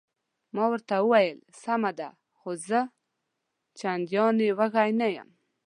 ما ورته وویل: سمه ده، خو زه چندانې وږی نه یم.